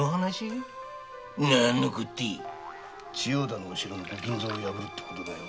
千代田のお城の御金蔵を破るってことだよ。